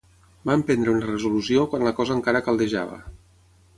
Van prendre una resolució quan la cosa encara caldejava.